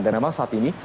dan memang saat ini